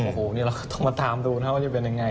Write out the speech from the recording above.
โอ้โหนี่เราก็ต้องมาตามดูนะครับว่าจะเป็นยังไง